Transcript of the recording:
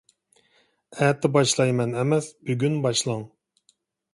ئەتە باشلايمەن ئەمەس، بۈگۈن باشلاڭ.